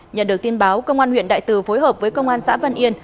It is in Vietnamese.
nhận được tin báo công an huyện đại từ phối hợp với công an xã văn yên